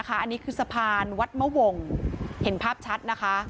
อันนี้คือสะพานวัดมะวงเห็นภาพชัดนะคะ